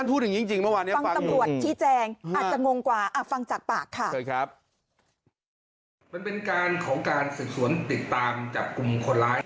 เขาถูกว่าอ้าวฟังจากปากค่ะครับเป็นการของการศึกษวนติดตามจากกลุ่มคนร้าย